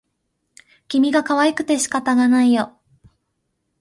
君がかわいくて仕方がないよ